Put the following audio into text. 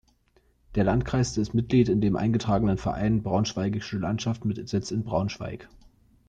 Der Landkreis ist Mitglied in dem eingetragenen Verein "Braunschweigische Landschaft" mit Sitz in Braunschweig.